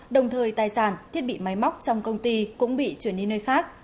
đồng thời tài sản thiết bị máy móc trong công ty cũng bị chuyển đi nơi khác